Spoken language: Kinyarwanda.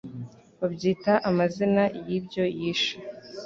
babyita amazina y’ibyo yishe